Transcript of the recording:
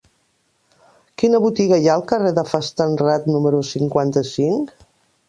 Quina botiga hi ha al carrer de Fastenrath número cinquanta-cinc?